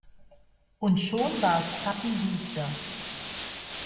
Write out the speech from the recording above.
Und schon war es zappenduster.